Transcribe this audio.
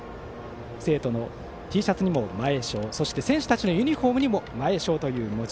生徒のＴシャツにもそして選手たちのユニフォームにも前商という文字。